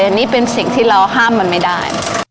อันนี้เป็นสิ่งที่เราห้ามมันไม่ได้